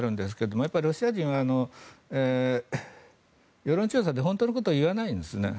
やっぱりロシア人は世論調査で本当のことを言わないんですね。